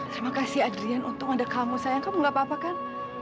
terima kasih adrian untung ada kamu sayang kamu gak apa apa kan